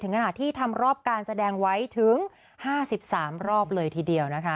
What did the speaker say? ขณะที่ทำรอบการแสดงไว้ถึง๕๓รอบเลยทีเดียวนะคะ